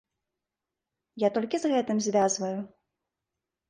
Я толькі з гэтым звязваю.